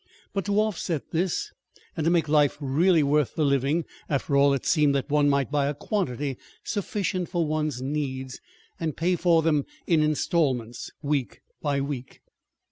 But, to offset this, and to make life really worth the living, after all, it seemed that one might buy a quantity sufficient for one's needs, and pay for them in installments, week by week.